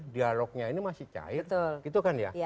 dialognya ini masih cair gitu kan ya